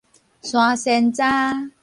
山仙楂